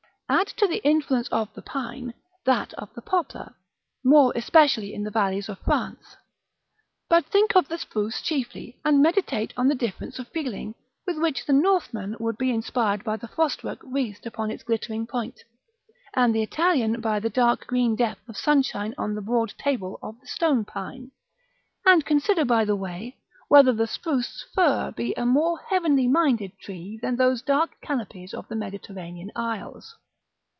Add to the influence of the pine, that of the poplar, more especially in the valleys of France; but think of the spruce chiefly, and meditate on the difference of feeling with which the Northman would be inspired by the frostwork wreathed upon its glittering point, and the Italian by the dark green depth of sunshine on the broad table of the stone pine (and consider by the way whether the spruce fir be a more heavenly minded tree than those dark canopies of the Mediterranean isles).